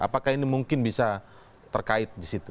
apakah ini mungkin bisa terkait di situ